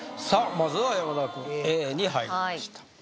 まずは山田君Ａに入りました